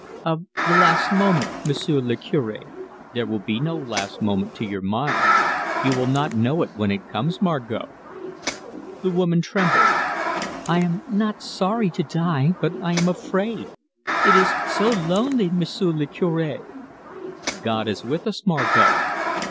"Of the last moment, M'sieu' le Cure." "There will be no last moment to your mind you will not know it when it comes, Margot." The woman trembled. "I am not sorry to die. But I am afraid; it is so lonely, M'sieu' le Cure." "God is with us, Margot."